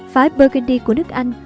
phái burgundy của nước anh